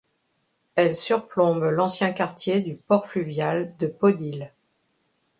Elle surplombe l'ancien quartier de port fluvial de Podil.